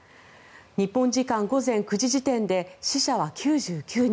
日本時間午前９時時点で死者は９９人